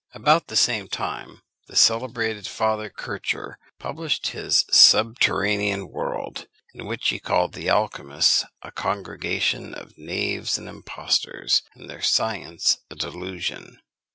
About the same time, the celebrated Father Kircher published his Subterranean World, in which he called the alchymists a congregation of knaves and impostors, and their science a delusion.